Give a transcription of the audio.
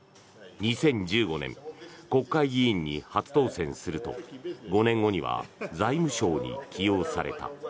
２０１５年国会議員に初当選すると５年後には財務相に起用された。